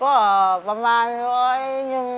ร้องได้ให้ร้อง